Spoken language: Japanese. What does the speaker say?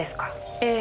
ええ。